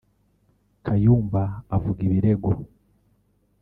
Kayumba avuga ibirego